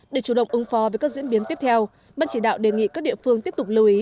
để chủ động ứng phó với các diễn biến tiếp theo ban chỉ đạo đề nghị các địa phương tiếp tục lưu ý